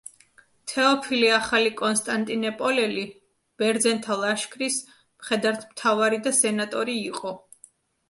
თეოფილე ახალი კონსტანტინეპოლელი, ბერძენთა ლაშქრის მხედართმთავარი და სენატორი იყო.